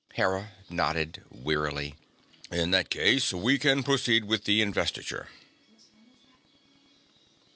Hera nodded wearily. "In that case, we can proceed with the investiture.